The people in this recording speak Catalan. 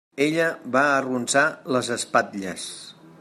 Ella va arronsar les espatlles.